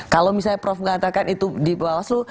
kalau misalnya prof mengatakan itu di bawaslu